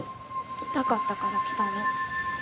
来たかったから来たの。